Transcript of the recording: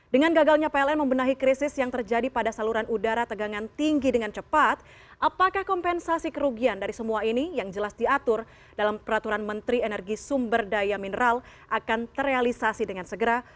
dengan gagalnya pln membenahi krisis yang terjadi pada saluran udara tegangan tinggi dengan cepat apakah kompensasi kerugian dari semua ini yang jelas diatur dalam peraturan menteri energi sumber daya mineral akan terrealisasi dengan segera